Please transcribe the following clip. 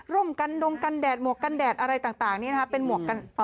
ร่มกันดงกันแดดหมวกกันแดดอะไรต่างนี่นะครับ